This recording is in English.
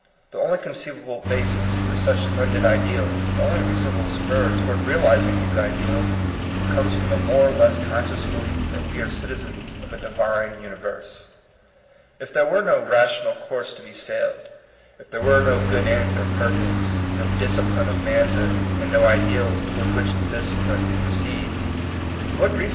The only conceivable basis for such splen did ideals, the only reasonable spur toward realizing these ideals, comes from a more or less conscious belief that we are citi zens of a Divine universe. If there were no rational course to be sailed, if there were no good end or purpose, no disci pline of manhood, and no ideals toward which this discipline proceeds, what reason 80 THE COMING PEOPLE.